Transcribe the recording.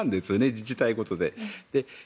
自治体ごとで。